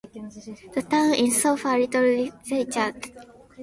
The town is so far little researched.